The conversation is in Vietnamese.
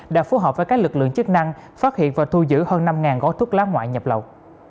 đã phối hợp với các lực lượng chức năng phát hiện và thu giữ hơn năm gói thuốc lá ngoại nhập lậu